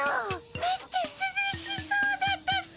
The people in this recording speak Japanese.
めっちゃすずしそうだったっピ。